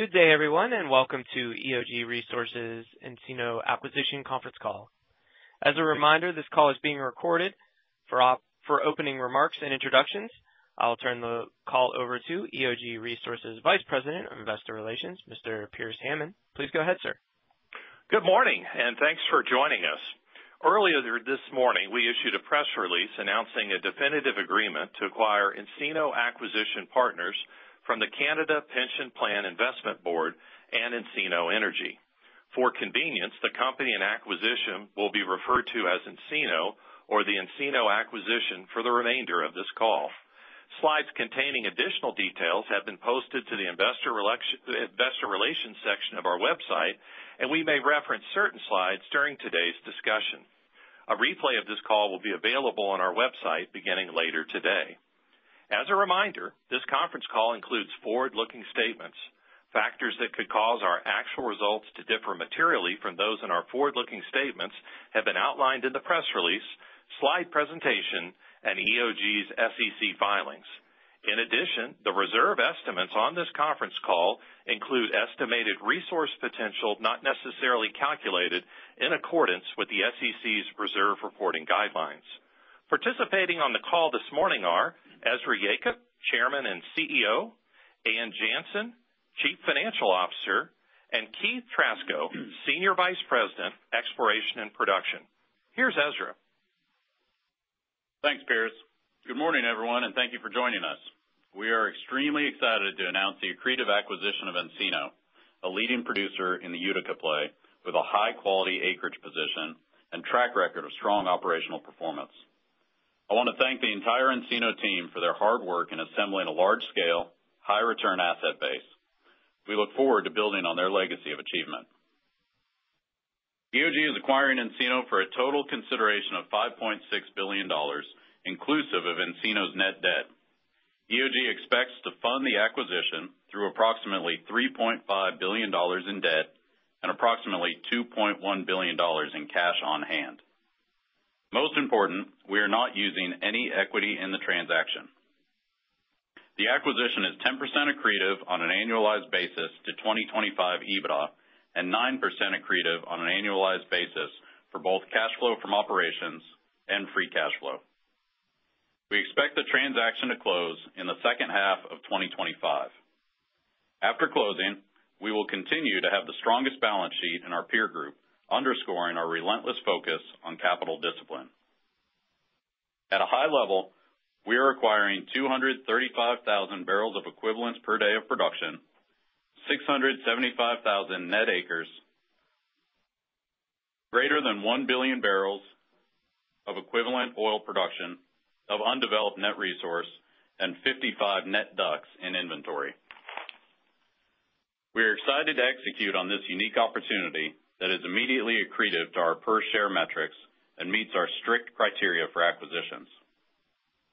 Good day, everyone, and welcome to EOG Resources Encino Acquisition Conference Call. As a reminder, this call is being recorded. For opening remarks and introductions, I'll turn the call over to EOG Resources Vice President of Investor Relations, Mr. Pearce Hammond. Please go ahead, sir. Good morning, and thanks for joining us. Earlier this morning, we issued a press release announcing a definitive agreement to acquire Encino Acquisition Partners from the Canada Pension Plan Investment Board and Encino Energy. For convenience, the company and acquisition will be referred to as Encino or the Encino Acquisition for the remainder of this call. Slides containing additional details have been posted to the Investor Relations section of our website, and we may reference certain slides during today's discussion. A replay of this call will be available on our website beginning later today. As a reminder, this conference call includes forward-looking statements. Factors that could cause our actual results to differ materially from those in our forward-looking statements have been outlined in the press release, slide presentation, and EOG's SEC filings. In addition, the reserve estimates on this conference call include estimated resource potential not necessarily calculated in accordance with the SEC's reserve reporting guidelines. Participating on the call this morning are Ezra Yacob, Chairman and CEO; Ann Janssen, Chief Financial Officer; and Keith Trasko, Senior Vice President, Exploration and Production. Here's Ezra. Thanks, Pierce. Good morning, everyone, and thank you for joining us. We are extremely excited to announce the accretive acquisition of Encino, a leading producer in the Utica play with a high-quality acreage position and track record of strong operational performance. I want to thank the entire Encino team for their hard work in assembling a large-scale, high-return asset base. We look forward to building on their legacy of achievement. EOG is acquiring Encino for a total consideration of $5.6 billion, inclusive of Encino's net debt. EOG expects to fund the acquisition through approximately $3.5 billion in debt and approximately $2.1 billion in cash on hand. Most important, we are not using any equity in the transaction. The acquisition is 10% accretive on an annualized basis to 2025 EBITDA and 9% accretive on an annualized basis for both cash flow from operations and free cash flow. We expect the transaction to close in the second half of 2025. After closing, we will continue to have the strongest balance sheet in our peer group, underscoring our relentless focus on capital discipline. At a high level, we are acquiring 235,000 barrels of equivalents per day of production, 675,000 net acres, greater than 1 billion barrels of equivalent oil production of undeveloped net resource, and 55 net ducks in inventory. We are excited to execute on this unique opportunity that is immediately accretive to our per-share metrics and meets our strict criteria for acquisitions: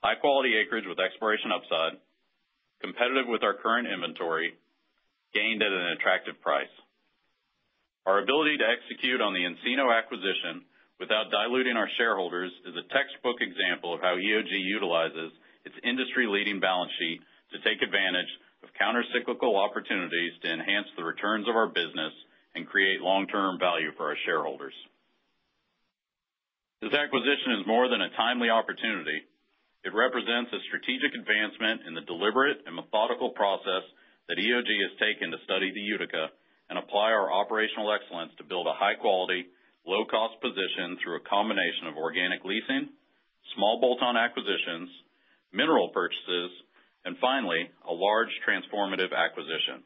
high-quality acreage with exploration upside, competitive with our current inventory, gained at an attractive price. Our ability to execute on the Encino acquisition without diluting our shareholders is a textbook example of how EOG utilizes its industry-leading balance sheet to take advantage of countercyclical opportunities to enhance the returns of our business and create long-term value for our shareholders. This acquisition is more than a timely opportunity. It represents a strategic advancement in the deliberate and methodical process that EOG has taken to study the Utica and apply our operational excellence to build a high-quality, low-cost position through a combination of organic leasing, small bolt-on acquisitions, mineral purchases, and finally, a large transformative acquisition.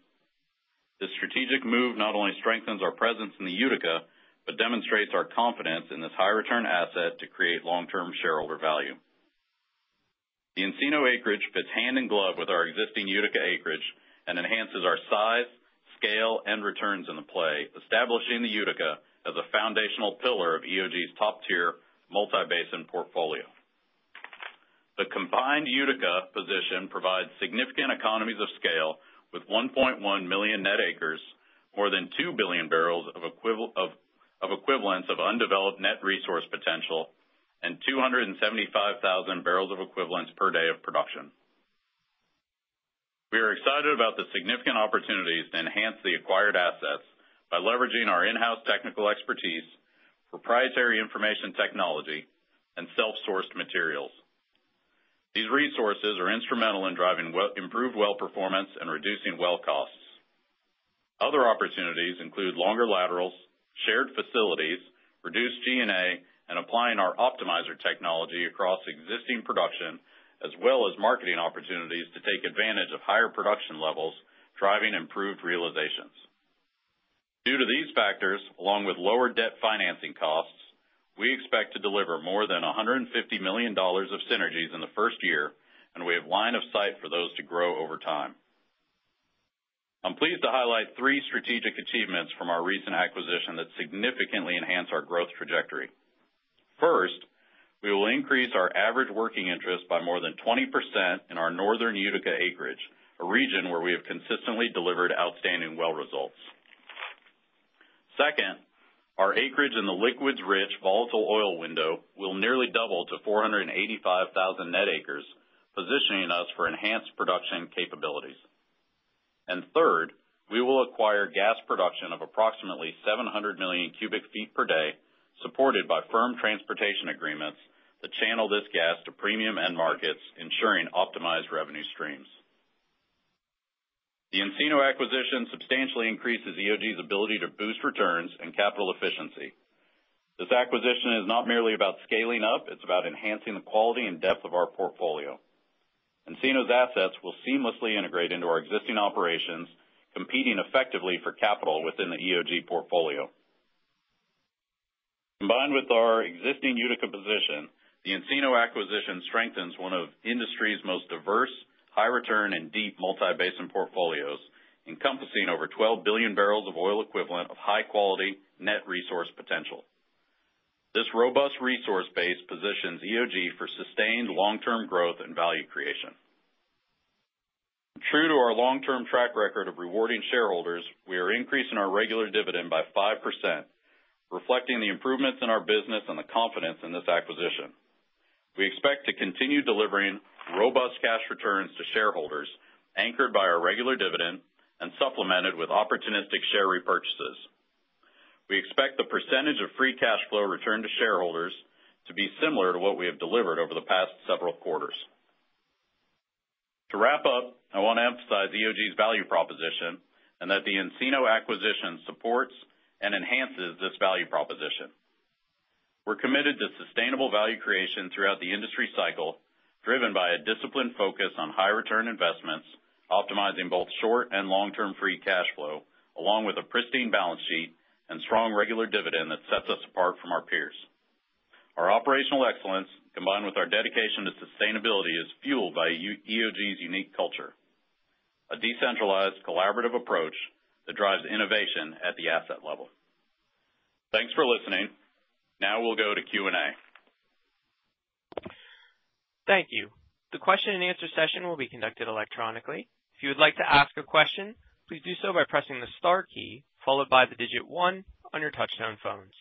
This strategic move not only strengthens our presence in the Utica but demonstrates our confidence in this high-return asset to create long-term shareholder value. The Encino acreage fits hand in glove with our existing Utica acreage and enhances our size, scale, and returns in the play, establishing the Utica as a foundational pillar of EOG's top-tier multi-basin portfolio. The combined Utica position provides significant economies of scale with 1.1 million net acres, more than 2 billion barrels of equivalents of undeveloped net resource potential, and 275,000 barrels of equivalents per day of production. We are excited about the significant opportunities to enhance the acquired assets by leveraging our in-house technical expertise, proprietary information technology, and self-sourced materials. These resources are instrumental in driving improved well performance and reducing well costs. Other opportunities include longer laterals, shared facilities, reduced G&A, and applying our optimizer technology across existing production, as well as marketing opportunities to take advantage of higher production levels, driving improved realizations. Due to these factors, along with lower debt financing costs, we expect to deliver more than $150 million of synergies in the first year, and we have line of sight for those to grow over time. I'm pleased to highlight three strategic achievements from our recent acquisition that significantly enhance our growth trajectory. First, we will increase our average working interest by more than 20% in our northern Utica acreage, a region where we have consistently delivered outstanding well results. Second, our acreage in the liquids-rich volatile oil window will nearly double to 485,000 net acres, positioning us for enhanced production capabilities. Third, we will acquire gas production of approximately 700 million cubic feet per day, supported by firm transportation agreements that channel this gas to premium end markets, ensuring optimized revenue streams. The Encino acquisition substantially increases EOG's ability to boost returns and capital efficiency. This acquisition is not merely about scaling up; it's about enhancing the quality and depth of our portfolio. Encino's assets will seamlessly integrate into our existing operations, competing effectively for capital within the EOG portfolio. Combined with our existing Utica position, the Encino acquisition strengthens one of industry's most diverse, high-return, and deep multi-basin portfolios, encompassing over 12 billion barrels of oil equivalent of high-quality net resource potential. This robust resource base positions EOG for sustained long-term growth and value creation. True to our long-term track record of rewarding shareholders, we are increasing our regular dividend by 5%, reflecting the improvements in our business and the confidence in this acquisition. We expect to continue delivering robust cash returns to shareholders, anchored by our regular dividend and supplemented with opportunistic share repurchases. We expect the percentage of free cash flow returned to shareholders to be similar to what we have delivered over the past several quarters. To wrap up, I want to emphasize EOG's value proposition and that the Encino acquisition supports and enhances this value proposition. We're committed to sustainable value creation throughout the industry cycle, driven by a disciplined focus on high-return investments, optimizing both short and long-term free cash flow, along with a pristine balance sheet and strong regular dividend that sets us apart from our peers. Our operational excellence, combined with our dedication to sustainability, is fueled by EOG's unique culture: a decentralized, collaborative approach that drives innovation at the asset level. Thanks for listening. Now we'll go to Q&A. Thank you. The question-and-answer session will be conducted electronically. If you would like to ask a question, please do so by pressing the star key followed by the digit one on your touch-tone phones.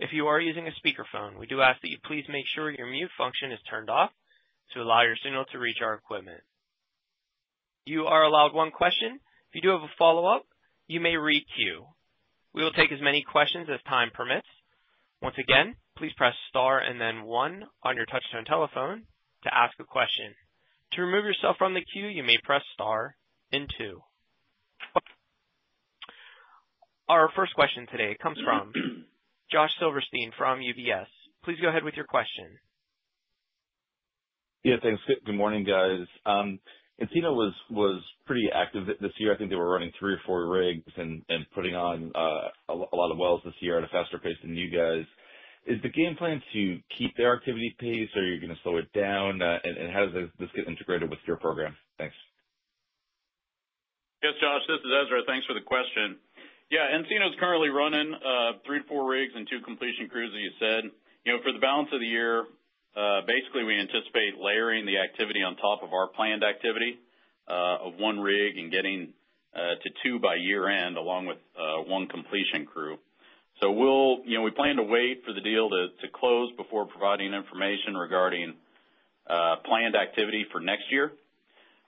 If you are using a speakerphone, we do ask that you please make sure your mute function is turned off to allow your signal to reach our equipment. You are allowed one question. If you do have a follow-up, you may re-queue. We will take as many questions as time permits. Once again, please press star and then one on your touch-tone telephone to ask a question. To remove yourself from the queue, you may press star and two. Our first question today comes from Josh Silverstein from UBS. Please go ahead with your question. Yeah, thanks. Good morning, guys. Encino was pretty active this year. I think they were running three or four rigs and putting on a lot of wells this year at a faster pace than you guys. Is the game plan to keep their activity pace, or are you going to slow it down? How does this get integrated with your program? Thanks. Yes, Josh, this is Ezra. Thanks for the question. Yeah, Encino's currently running three to four rigs and two completion crews, as you said. For the balance of the year, basically, we anticipate layering the activity on top of our planned activity of one rig and getting to two by year-end, along with one completion crew. We plan to wait for the deal to close before providing information regarding planned activity for next year.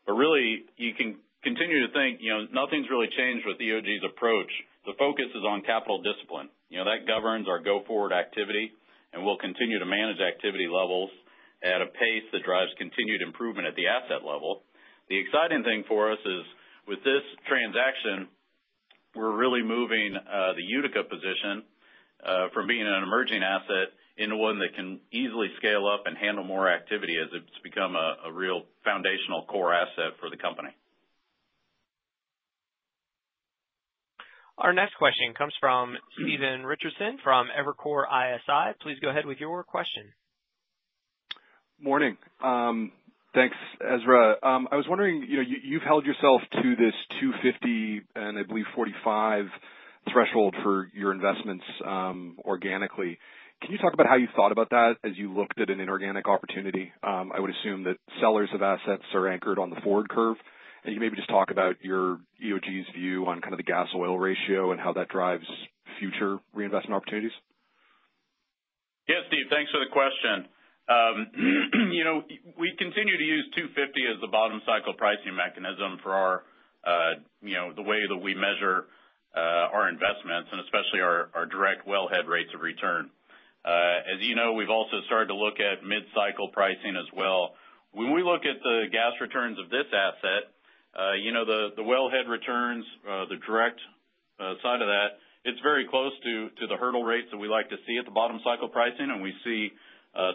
Really, you can continue to think nothing's really changed with EOG's approach. The focus is on capital discipline. That governs our go-forward activity, and we'll continue to manage activity levels at a pace that drives continued improvement at the asset level. The exciting thing for us is, with this transaction, we're really moving the Utica position from being an emerging asset into one that can easily scale up and handle more activity as it's become a real foundational core asset for the company. Our next question comes from Stephen Richardson from Evercore ISI. Please go ahead with your question. Morning. Thanks, Ezra. I was wondering, you've held yourself to this 250 and I believe 45 threshold for your investments organically. Can you talk about how you thought about that as you looked at an inorganic opportunity? I would assume that sellers of assets are anchored on the forward curve. Can you maybe just talk about your EOG's view on kind of the gas-oil ratio and how that drives future reinvestment opportunities. Yes, Steve, thanks for the question. We continue to use $2.50 as the bottom cycle pricing mechanism for the way that we measure our investments, and especially our direct wellhead rates of return. As you know, we've also started to look at mid-cycle pricing as well. When we look at the gas returns of this asset, the wellhead returns, the direct side of that, it's very close to the hurdle rates that we like to see at the bottom cycle pricing, and we see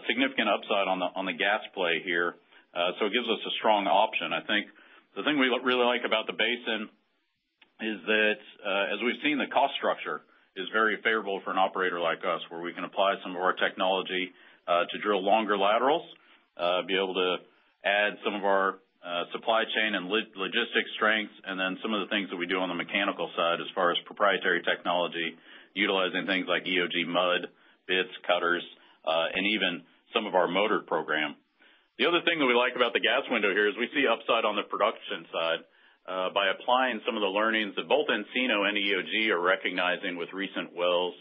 significant upside on the gas play here. It gives us a strong option. I think the thing we really like about the basin is that, as we've seen, the cost structure is very favorable for an operator like us, where we can apply some of our technology to drill longer laterals, be able to add some of our supply chain and logistics strengths, and then some of the things that we do on the mechanical side as far as proprietary technology, utilizing things like EOG mud bits, cutters, and even some of our motor program. The other thing that we like about the gas window here is we see upside on the production side by applying some of the learnings that both Encino and EOG are recognizing with recent wells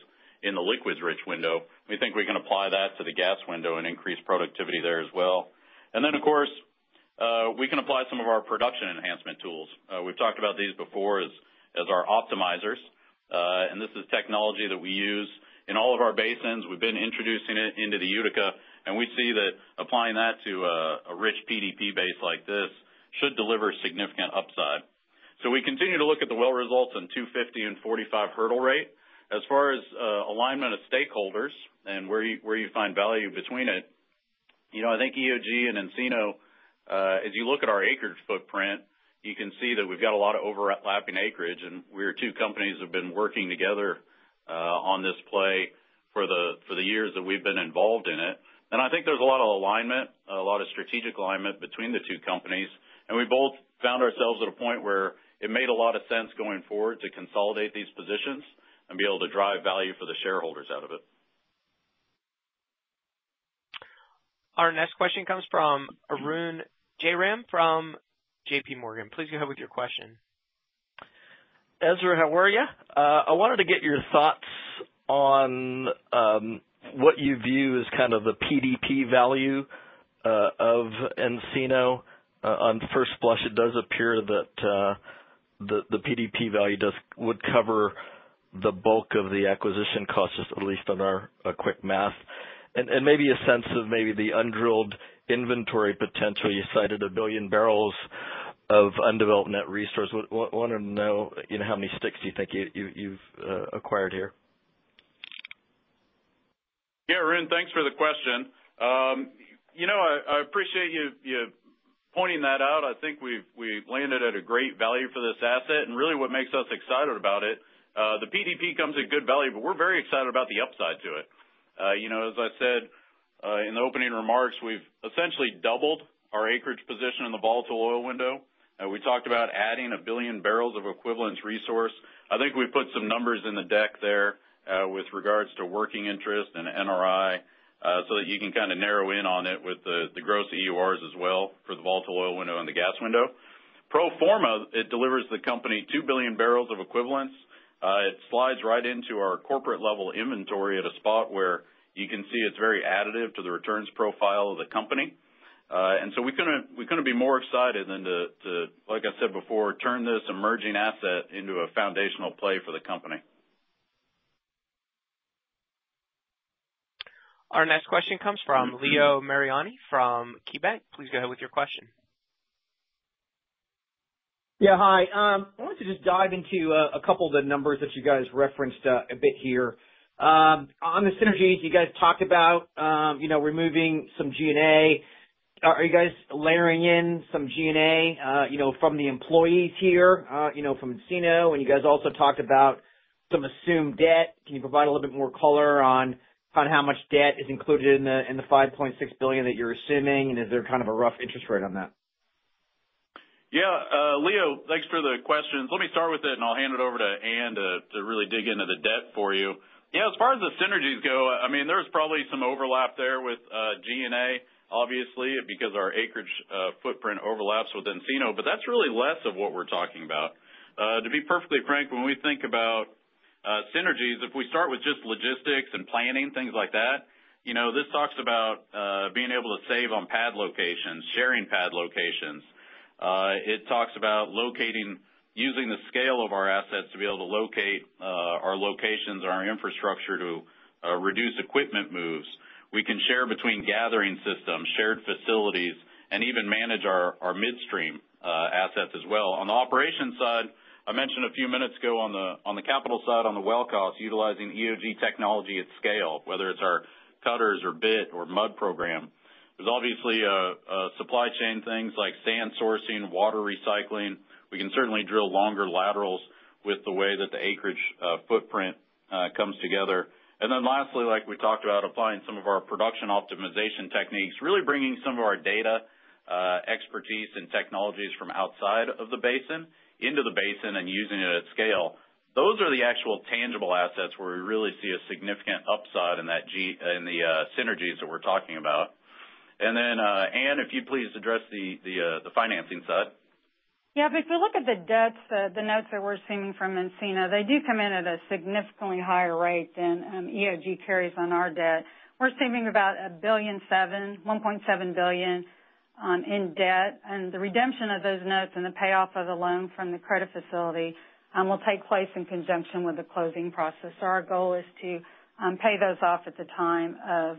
in the liquids-rich window. We think we can apply that to the gas window and increase productivity there as well. Of course, we can apply some of our production enhancement tools. We've talked about these before as our optimizers. This is technology that we use in all of our basins. We've been introducing it into the Utica, and we see that applying that to a rich PDP base like this should deliver significant upside. We continue to look at the well results in 250 and 45 hurdle rate. As far as alignment of stakeholders and where you find value between it, I think EOG and Encino, as you look at our acreage footprint, you can see that we've got a lot of overlapping acreage, and we are two companies that have been working together on this play for the years that we've been involved in it. I think there's a lot of alignment, a lot of strategic alignment between the two companies. We both found ourselves at a point where it made a lot of sense going forward to consolidate these positions and be able to drive value for the shareholders out of it. Our next question comes from Arun Jayaram from JPMorgan. Please go ahead with your question. Ezra, how are you? I wanted to get your thoughts on what you view as kind of the PDP value of Encino. On first blush, it does appear that the PDP value would cover the bulk of the acquisition costs, at least on our quick math. Maybe a sense of maybe the un-drilled inventory potential. You cited a billion barrels of undeveloped net resource. I want to know how many sticks you think you've acquired here. Yeah, Arun, thanks for the question. I appreciate you pointing that out. I think we landed at a great value for this asset. What makes us excited about it, the PDP comes at good value, but we're very excited about the upside to it. As I said in the opening remarks, we've essentially doubled our acreage position in the volatile oil window. We talked about adding a billion barrels of equivalence resource. I think we put some numbers in the deck there with regards to working interest and NRI so that you can kind of narrow in on it with the gross EURs as well for the volatile oil window and the gas window. Pro forma, it delivers the company two billion barrels of equivalence. It slides right into our corporate-level inventory at a spot where you can see it's very additive to the returns profile of the company. We couldn't be more excited than to, like I said before, turn this emerging asset into a foundational play for the company. Our next question comes from Leo Mariani from KeyBank. Please go ahead with your question. Yeah, hi. I wanted to just dive into a couple of the numbers that you guys referenced a bit here. On the synergies, you guys talked about removing some G&A. Are you guys layering in some G&A from the employees here from Encino? You guys also talked about some assumed debt. Can you provide a little bit more color on kind of how much debt is included in the $5.6 billion that you're assuming, and is there kind of a rough interest rate on that? Yeah, Leo, thanks for the questions. Let me start with it, and I'll hand it over to Ann to really dig into the debt for you. Yeah, as far as the synergies go, I mean, there's probably some overlap there with G&A, obviously, because our acreage footprint overlaps with Encino, but that's really less of what we're talking about. To be perfectly frank, when we think about synergies, if we start with just logistics and planning, things like that, this talks about being able to save on pad locations, sharing pad locations. It talks about using the scale of our assets to be able to locate our locations and our infrastructure to reduce equipment moves. We can share between gathering systems, shared facilities, and even manage our midstream assets as well. On the operations side, I mentioned a few minutes ago on the capital side, on the well cost, utilizing EOG technology at scale, whether it's our cutters or bit or mud program. There are obviously supply chain things like sand sourcing, water recycling. We can certainly drill longer laterals with the way that the acreage footprint comes together. Lastly, like we talked about, applying some of our production optimization techniques, really bringing some of our data expertise and technologies from outside of the basin into the basin and using it at scale. Those are the actual tangible assets where we really see a significant upside in the synergies that we're talking about. Ann, if you'd please address the financing side. Yeah, if we look at the notes that we're assuming from Encino, they do come in at a significantly higher rate than EOG carries on our debt. We're assuming about $1.7 billion in debt. The redemption of those notes and the payoff of the loan from the credit facility will take place in conjunction with the closing process. Our goal is to pay those off at the time of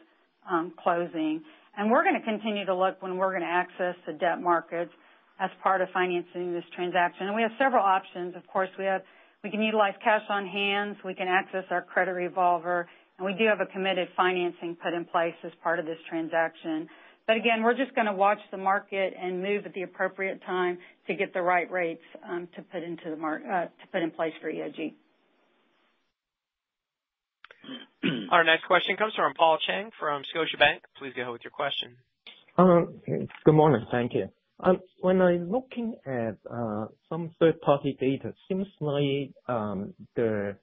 closing. We're going to continue to look when we're going to access the debt markets as part of financing this transaction. We have several options. Of course, we can utilize cash on hand. We can access our credit revolver. We do have a committed financing put in place as part of this transaction. We're just going to watch the market and move at the appropriate time to get the right rates to put in place for EOG. Our next question comes from Paul Chang from Scotia Bank. Please go ahead with your question. Good morning. Thank you. When I'm looking at some third-party data, it seems like the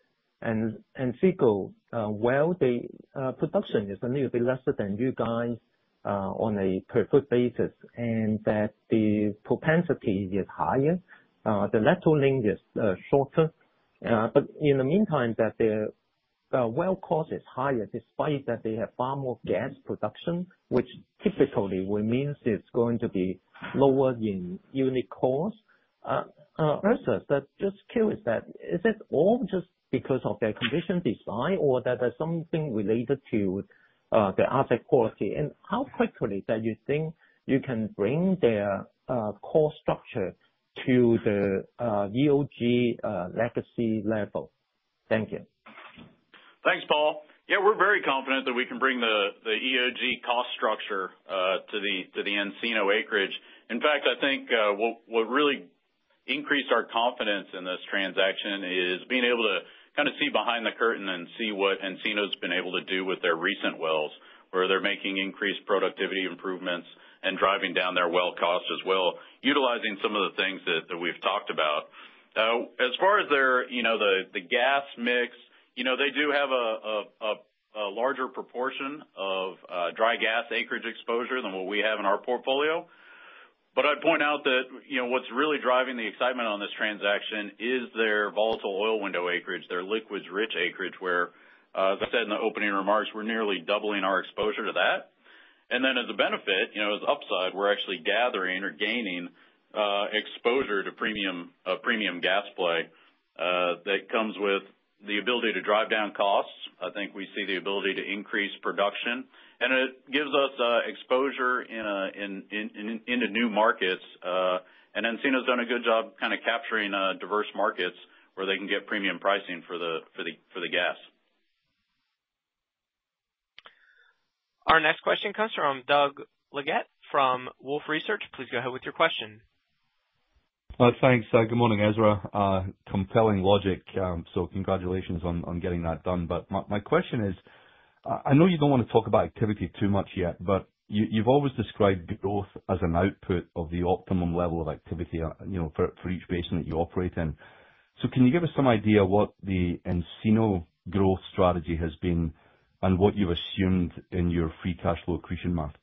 Encino well production is a little bit lesser than you guys on a per-foot basis, and that the propensity is higher. The lateral length is shorter. In the meantime, the well cost is higher despite that they have far more gas production, which typically means it's going to be lower in unit cost. Also, just curious, is it all just because of their completion design, or is there something related to the asset quality? How quickly do you think you can bring their cost structure to the EOG legacy level? Thank you. Thanks, Paul. Yeah, we're very confident that we can bring the EOG cost structure to the Encino acreage. In fact, I think what really increased our confidence in this transaction is being able to kind of see behind the curtain and see what Encino's been able to do with their recent wells, where they're making increased productivity improvements and driving down their well cost as well, utilizing some of the things that we've talked about. As far as the gas mix, they do have a larger proportion of dry gas acreage exposure than what we have in our portfolio. I'd point out that what's really driving the excitement on this transaction is their volatile oil window acreage, their liquids-rich acreage, where, as I said in the opening remarks, we're nearly doubling our exposure to that. As a benefit, as upside, we're actually gathering or gaining exposure to premium gas play that comes with the ability to drive down costs. I think we see the ability to increase production. It gives us exposure into new markets. Encino's done a good job kind of capturing diverse markets where they can get premium pricing for the gas. Our next question comes from Doug Leggett from Wolfe Research. Please go ahead with your question. Thanks. Good morning, Ezra. Compelling logic. Congratulations on getting that done. My question is, I know you do not want to talk about activity too much yet, but you have always described growth as an output of the optimum level of activity for each basin that you operate in. Can you give us some idea what the Encino growth strategy has been and what you have assumed in your free cash flow accretion math?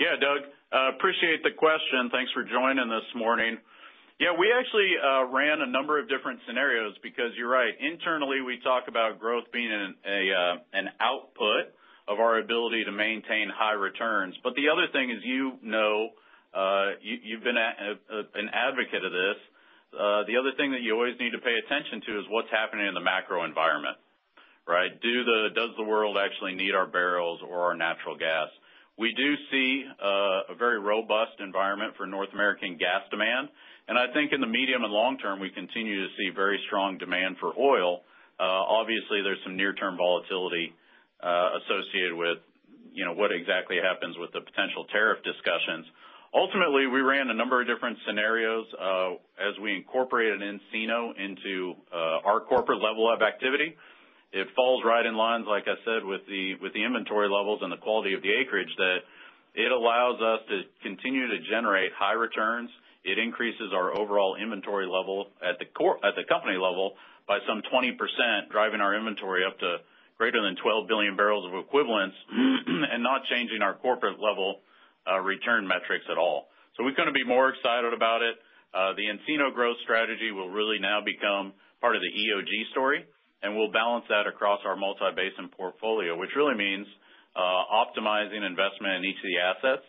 Yeah, Doug, appreciate the question. Thanks for joining this morning. Yeah, we actually ran a number of different scenarios because you're right. Internally, we talk about growth being an output of our ability to maintain high returns. The other thing is, you know you've been an advocate of this. The other thing that you always need to pay attention to is what's happening in the macro environment, right? Does the world actually need our barrels or our natural gas? We do see a very robust environment for North American gas demand. I think in the medium and long term, we continue to see very strong demand for oil. Obviously, there's some near-term volatility associated with what exactly happens with the potential tariff discussions. Ultimately, we ran a number of different scenarios as we incorporated Encino into our corporate level of activity. It falls right in line, like I said, with the inventory levels and the quality of the acreage that it allows us to continue to generate high returns. It increases our overall inventory level at the company level by some 20%, driving our inventory up to greater than 12 billion barrels of equivalents and not changing our corporate level return metrics at all. We could not be more excited about it. The Encino growth strategy will really now become part of the EOG story. We will balance that across our multi-basin portfolio, which really means optimizing investment in each of the assets.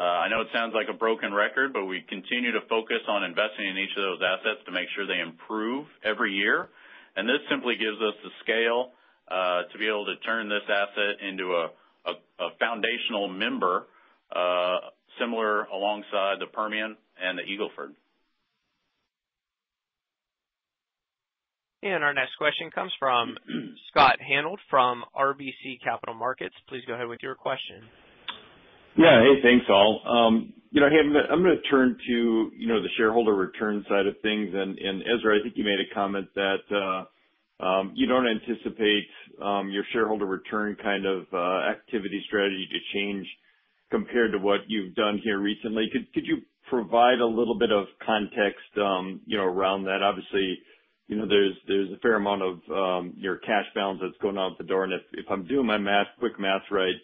I know it sounds like a broken record, but we continue to focus on investing in each of those assets to make sure they improve every year. This simply gives us the scale to be able to turn this asset into a foundational member similar alongside the Permian and the Eagle Ford. Our next question comes from Scott Hanold from RBC Capital Markets. Please go ahead with your question. Yeah, hey, thanks, all. I'm going to turn to the shareholder return side of things. Ezra, I think you made a comment that you don't anticipate your shareholder return kind of activity strategy to change compared to what you've done here recently. Could you provide a little bit of context around that? Obviously, there's a fair amount of your cash balance that's going out the door. If I'm doing my quick math right,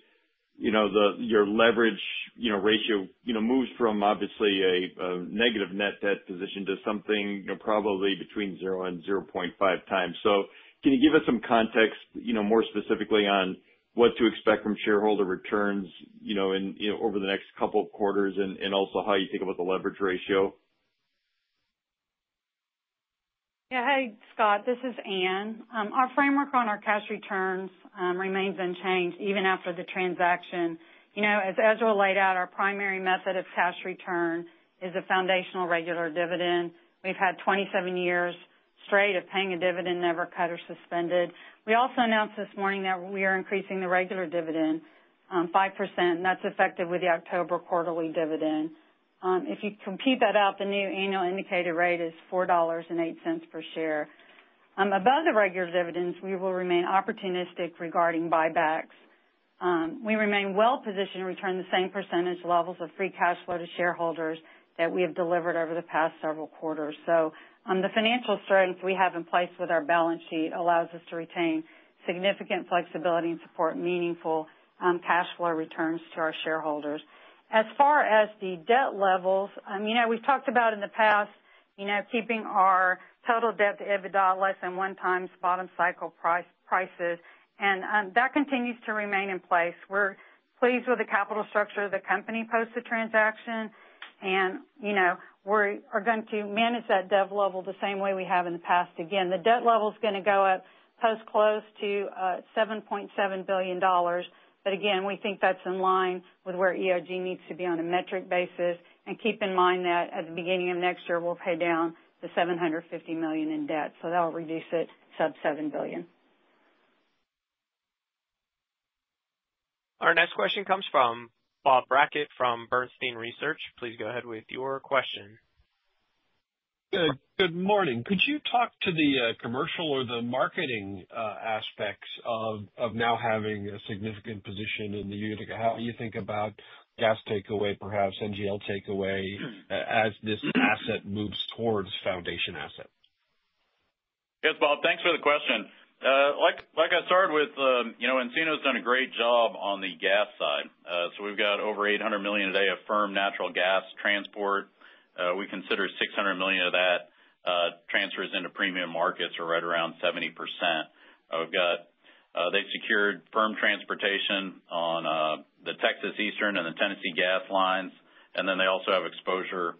your leverage ratio moves from obviously a negative net debt position to something probably between 0 and 0.5 times. Can you give us some context more specifically on what to expect from shareholder returns over the next couple of quarters and also how you think about the leverage ratio? Yeah, hey, Scott, this is Ann. Our framework on our cash returns remains unchanged even after the transaction. As Ezra laid out, our primary method of cash return is a foundational regular dividend. We've had 27 years straight of paying a dividend, never cut or suspended. We also announced this morning that we are increasing the regular dividend 5%, and that's effective with the October quarterly dividend. If you compute that out, the new annual indicator rate is $4.08 per share. Above the regular dividends, we will remain opportunistic regarding buybacks. We remain well-positioned to return the same percentage levels of free cash flow to shareholders that we have delivered over the past several quarters. The financial strength we have in place with our balance sheet allows us to retain significant flexibility and support meaningful cash flow returns to our shareholders. As far as the debt levels, we've talked about in the past keeping our total debt to EBITDA less than one times bottom cycle prices. That continues to remain in place. We're pleased with the capital structure of the company post the transaction. We're going to manage that debt level the same way we have in the past. Again, the debt level is going to go up post-close to $7.7 billion. Again, we think that's in line with where EOG needs to be on a metric basis. Keep in mind that at the beginning of next year, we'll pay down the $750 million in debt. That will reduce it sub $7 billion. Our next question comes from Bob Brackett from Bernstein Research. Please go ahead with your question. Good morning. Could you talk to the commercial or the marketing aspects of now having a significant position in the EOG? How do you think about gas takeaway, perhaps NGL takeaway, as this asset moves towards foundation asset? Yes, Bob, thanks for the question. Like I started with, Encino's done a great job on the gas side. We have over 800 million a day of firm natural gas transport. We consider 600 million of that transfers into premium markets, or right around 70%. They have secured firm transportation on the Texas Eastern and the Tennessee gas lines. They also have exposure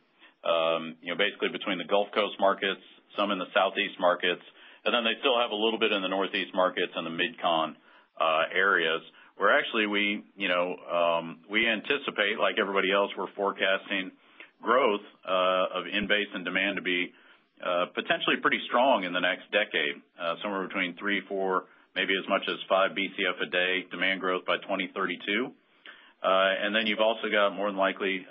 basically between the Gulf Coast markets, some in the Southeast markets, and they still have a little bit in the Northeast markets and the MidCon areas. We actually anticipate, like everybody else, we are forecasting growth of in-basin demand to be potentially pretty strong in the next decade, somewhere between 3-4, maybe as much as 5 BCF a day demand growth by 2032. You have also got more than likely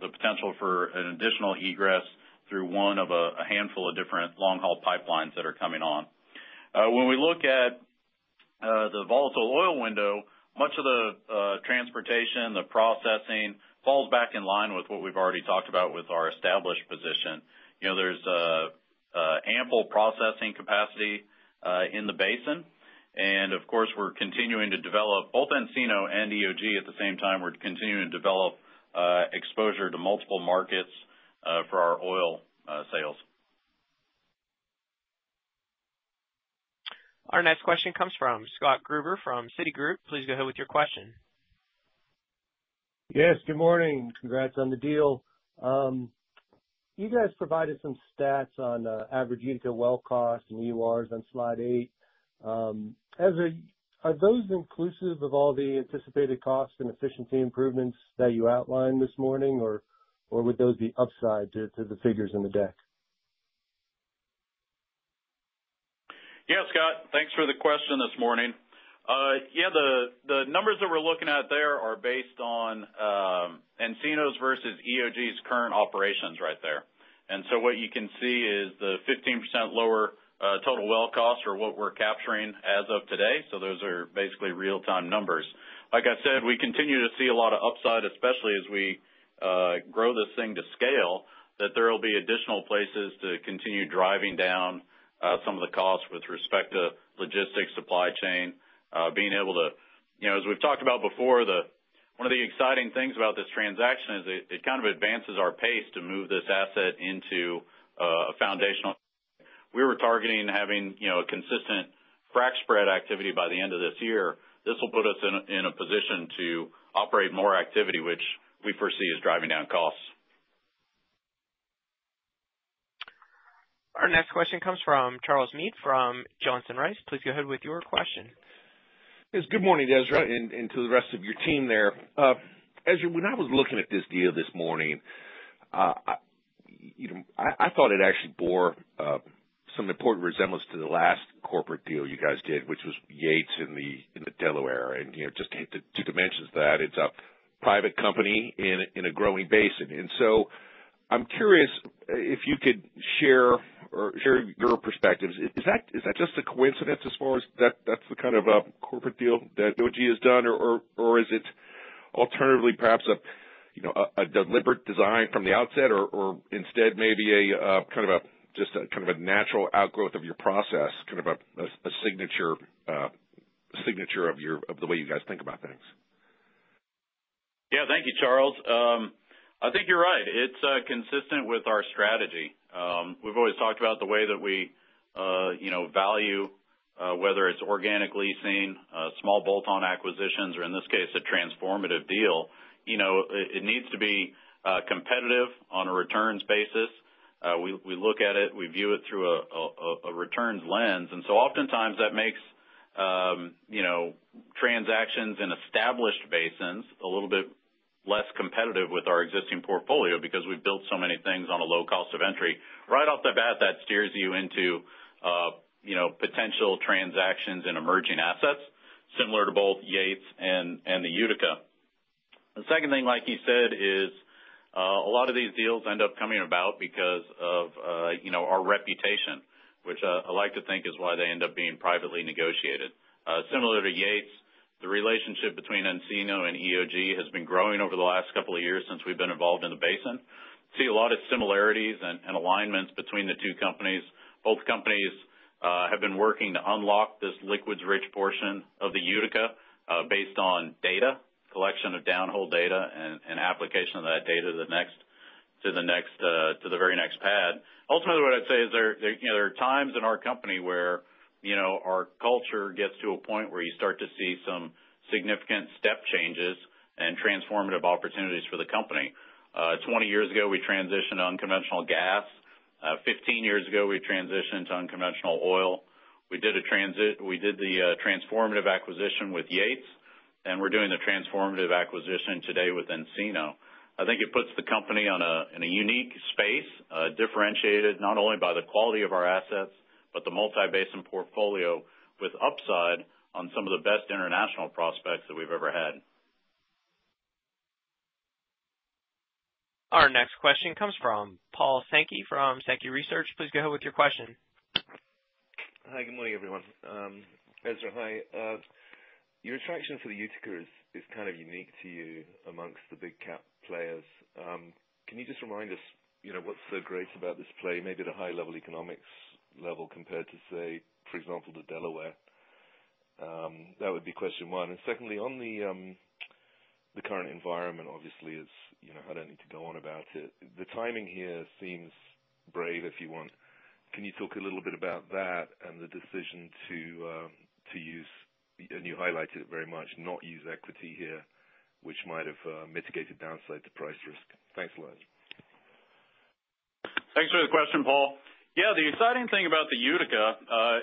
the potential for an additional egress through one of a handful of different long-haul pipelines that are coming on. When we look at the volatile oil window, much of the transportation, the processing falls back in line with what we have already talked about with our established position. There is ample processing capacity in the basin. Of course, we are continuing to develop both Encino and EOG at the same time. We are continuing to develop exposure to multiple markets for our oil sales. Our next question comes from Scott Gruber from Citigroup. Please go ahead with your question. Yes, good morning. Congrats on the deal. You guys provided some stats on average unit of well cost and EURs on slide eight. Ezra, are those inclusive of all the anticipated costs and efficiency improvements that you outlined this morning, or would those be upside to the figures in the deck? Yeah, Scott, thanks for the question this morning. Yeah, the numbers that we're looking at there are based on Encino's versus EOG's current operations right there. What you can see is the 15% lower total well costs are what we're capturing as of today. Those are basically real-time numbers. Like I said, we continue to see a lot of upside, especially as we grow this thing to scale, that there will be additional places to continue driving down some of the costs with respect to logistics, supply chain, being able to, as we've talked about before, one of the exciting things about this transaction is it kind of advances our pace to move this asset into a foundational. We were targeting having a consistent frac spread activity by the end of this year. This will put us in a position to operate more activity, which we foresee is driving down costs. Our next question comes from Charles Mead from Johnson Rice. Please go ahead with your question. Yes, good morning, Ezra, and to the rest of your team there. Ezra, when I was looking at this deal this morning, I thought it actually bore some important resemblance to the last corporate deal you guys did, which was Yates in the Delaware. Just to hit the two dimensions of that, it's a private company in a growing basin. I'm curious if you could share your perspectives. Is that just a coincidence as far as that's the kind of corporate deal that EOG has done, or is it alternatively perhaps a deliberate design from the outset, or instead maybe kind of just a kind of a natural outgrowth of your process, kind of a signature of the way you guys think about things? Yeah, thank you, Charles. I think you're right. It's consistent with our strategy. We've always talked about the way that we value, whether it's organic leasing, small bolt-on acquisitions, or in this case, a transformative deal. It needs to be competitive on a returns basis. We look at it, we view it through a returns lens. Oftentimes that makes transactions in established basins a little bit less competitive with our existing portfolio because we've built so many things on a low cost of entry. Right off the bat, that steers you into potential transactions in emerging assets, similar to both Yates and the Utica. The second thing, like you said, is a lot of these deals end up coming about because of our reputation, which I like to think is why they end up being privately negotiated. Similar to Yates, the relationship between Encino and EOG has been growing over the last couple of years since we've been involved in the basin. See a lot of similarities and alignments between the two companies. Both companies have been working to unlock this liquids-rich portion of the Utica based on data, collection of downhole data, and application of that data to the very next pad. Ultimately, what I'd say is there are times in our company where our culture gets to a point where you start to see some significant step changes and transformative opportunities for the company. Twenty years ago, we transitioned to unconventional gas. Fifteen years ago, we transitioned to unconventional oil. We did the transformative acquisition with Yates, and we're doing the transformative acquisition today with Encino. I think it puts the company in a unique space, differentiated not only by the quality of our assets, but the multi-basin portfolio with upside on some of the best international prospects that we've ever had. Our next question comes from Paul Sankey from Sankey Research. Please go ahead with your question. Hi, good morning, everyone. Ezra, hi. Your attraction for the Utica is kind of unique to you amongst the big cap players. Can you just remind us what's so great about this play, maybe at a high-level economics level compared to, say, for example, the Delaware? That would be question one. Secondly, on the current environment, obviously, I don't need to go on about it. The timing here seems brave, if you want. Can you talk a little bit about that and the decision to use—and you highlighted it very much—not use equity here, which might have mitigated downside to price risk? Thanks, Lloyd. Thanks for the question, Paul. Yeah, the exciting thing about the Utica,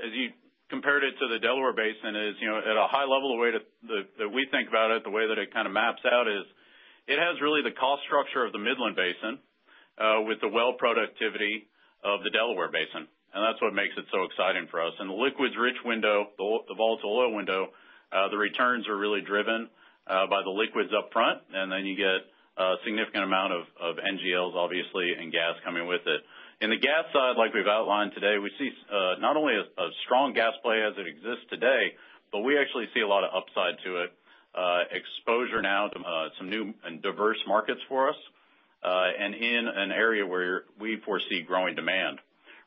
as you compared it to the Delaware Basin, is at a high level the way that we think about it, the way that it kind of maps out is it has really the cost structure of the Midland Basin with the well productivity of the Delaware Basin. That is what makes it so exciting for us. In the liquids-rich window, the volatile oil window, the returns are really driven by the liquids upfront. Then you get a significant amount of NGLs, obviously, and gas coming with it. On the gas side, like we have outlined today, we see not only a strong gas play as it exists today, but we actually see a lot of upside to it, exposure now to some new and diverse markets for us, and in an area where we foresee growing demand.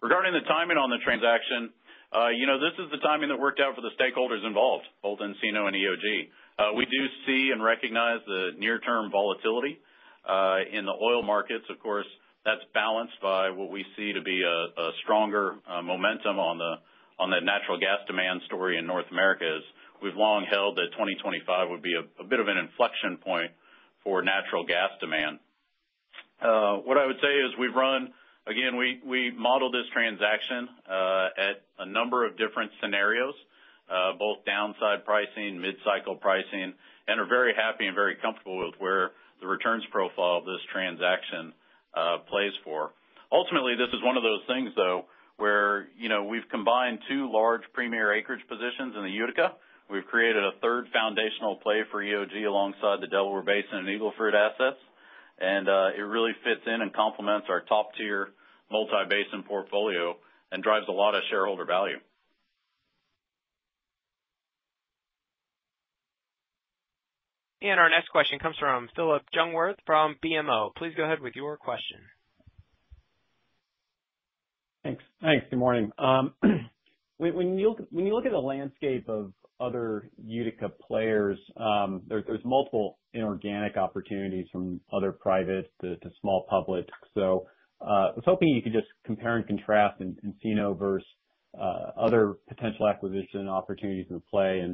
Regarding the timing on the transaction, this is the timing that worked out for the stakeholders involved, both Encino and EOG. We do see and recognize the near-term volatility in the oil markets. Of course, that's balanced by what we see to be a stronger momentum on the natural gas demand story in North America as we've long held that 2025 would be a bit of an inflection point for natural gas demand. What I would say is we've run, again, we modeled this transaction at a number of different scenarios, both downside pricing, mid-cycle pricing, and are very happy and very comfortable with where the returns profile of this transaction plays for. Ultimately, this is one of those things, though, where we've combined two large premier acreage positions in the Utica. We've created a third foundational play for EOG alongside the Delaware Basin and Eagle Ford assets. It really fits in and complements our top-tier multi-basin portfolio and drives a lot of shareholder value. Our next question comes from Phillip Jungwirth from BMO. Please go ahead with your question. Thanks. Good morning. When you look at the landscape of other Utica players, there's multiple inorganic opportunities from other private to small public. I was hoping you could just compare and contrast Encino versus other potential acquisition opportunities in the play.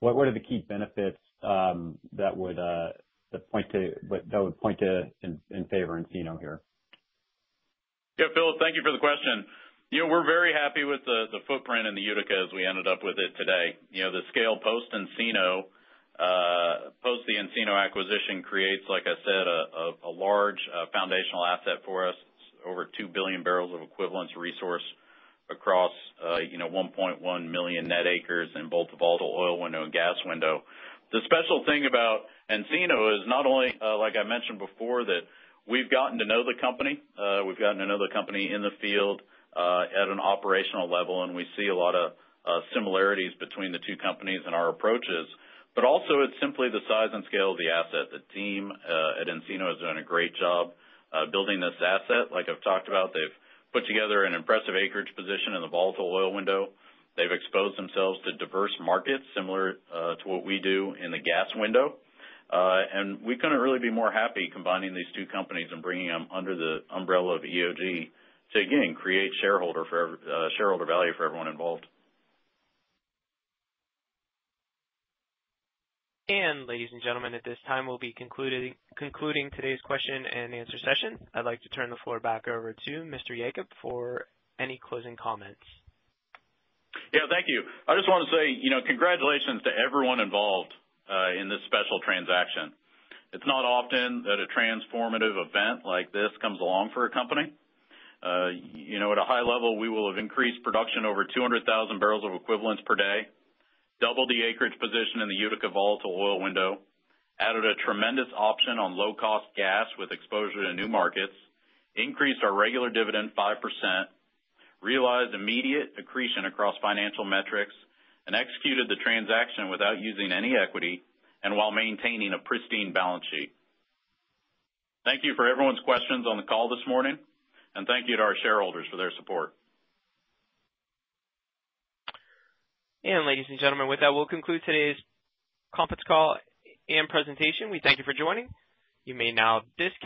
What are the key benefits that would point to in favor of Encino here? Yeah, Philip, thank you for the question. We're very happy with the footprint in the Utica as we ended up with it today. The scale post Encino, post the Encino acquisition, creates, like I said, a large foundational asset for us, over 2 billion barrels of equivalence resource across 1.1 million net acres in both the volatile oil window and gas window. The special thing about Encino is not only, like I mentioned before, that we've gotten to know the company. We've gotten to know the company in the field at an operational level, and we see a lot of similarities between the two companies and our approaches. Also, it's simply the size and scale of the asset. The team at Encino has done a great job building this asset. Like I've talked about, they've put together an impressive acreage position in the volatile oil window. They've exposed themselves to diverse markets similar to what we do in the gas window. We couldn't really be more happy combining these two companies and bringing them under the umbrella of EOG to, again, create shareholder value for everyone involved. Ladies and gentlemen, at this time, we'll be concluding today's question and answer session. I'd like to turn the floor back over to Mr. Yacob for any closing comments. Yeah, thank you. I just want to say congratulations to everyone involved in this special transaction. It's not often that a transformative event like this comes along for a company. At a high level, we will have increased production over 200,000 barrels of equivalence per day, doubled the acreage position in the Utica volatile oil window, added a tremendous option on low-cost gas with exposure to new markets, increased our regular dividend 5%, realized immediate accretion across financial metrics, and executed the transaction without using any equity and while maintaining a pristine balance sheet. Thank you for everyone's questions on the call this morning. Thank you to our shareholders for their support. Ladies and gentlemen, with that, we'll conclude today's conference call and presentation. We thank you for joining. You may now disconnect.